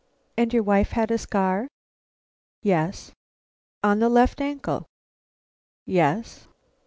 "And your wife had a scar?" "Yes." "On the left ankle?" "Yes."